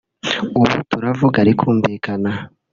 ubu turavuga rikumvikana